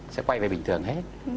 sẽ quay về bình thường hết